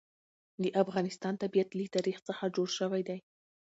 د افغانستان طبیعت له تاریخ څخه جوړ شوی دی.